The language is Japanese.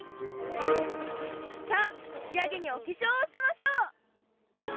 さあしあげにおけしょうをしましょう！